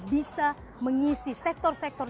bisa mengisi sektor sektor